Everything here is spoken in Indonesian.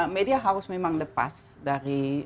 media harus memang lepas dari